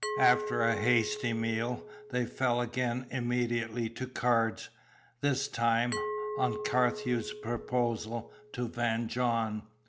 After a hasty meal, they fell again immediately to cards, this time (on Carthew's proposal) to Van John.